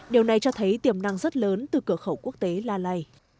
điều này cho thấy tiềm năng rất lớn từ cửa khẩu quốc tế lalay